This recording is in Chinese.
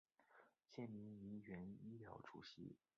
现为铭源医疗主席。